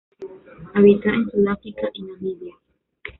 Habita en Sudáfrica y Namibia.